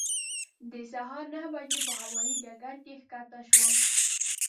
د سهار نهه بجې په هوایي ډګر کې کښته شوم.